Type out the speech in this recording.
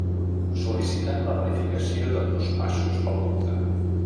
Sol·licitant la verificació de dos passos pel compte.